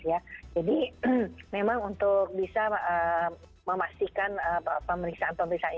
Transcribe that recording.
jadi memang untuk bisa memastikan pemeriksaan pemeriksaan ini